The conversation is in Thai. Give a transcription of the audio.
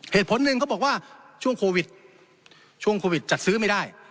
เหตุผลหนึ่งเขาบอกว่าช่วงโควิดช่วงโควิดจัดซื้อไม่ได้